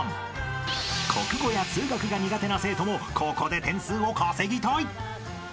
［国語や数学が苦手な生徒もここで点数を稼ぎたい］